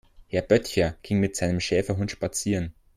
Herr Böttcher ging mit seinem Schäferhund spazieren.